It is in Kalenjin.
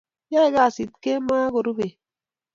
yaeii kasit kemoi akoruu bet .